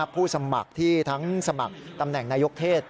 ผู้สมัครที่ทั้งสมัครตำแหน่งนายกเทศ